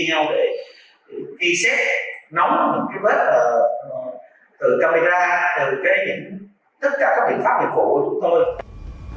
chúng ta chia nhau để ghi xét nóng một cái vết từ camera từ tất cả các biện pháp nghiệp vụ của chúng tôi